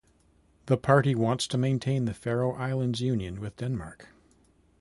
The party wants to maintain the Faroe Islands union with Denmark.